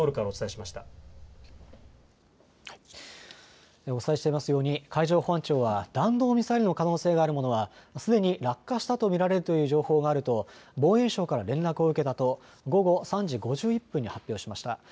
お伝えしていますように海上保安庁は弾道ミサイルの可能性があるものはすでに落下したと見られるという情報があると防衛省から連絡を受けたと午後３時５１分に発表しました。